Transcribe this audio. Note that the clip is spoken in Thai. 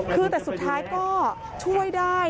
คือแต่สุดท้ายก็ช่วยได้